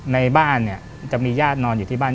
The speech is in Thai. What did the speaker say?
ในบ้านเนี่ยจะมีย่าฆ่ามัน